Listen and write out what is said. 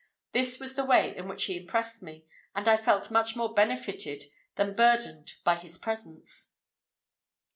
This was the way in which he impressed me, and I felt much more benefited than burdened by his presence.